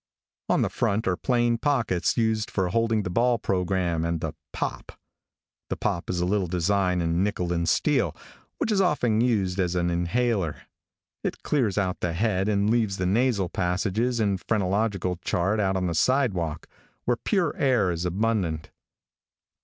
On the front are plain pockets used for holding the ball programme and the "pop." The pop is a little design in nickel and steel, which is often used as an inhaler. It clears out the head, and leaves the nasal passages and phrenological chart out on the sidewalk, where pure air is abundant.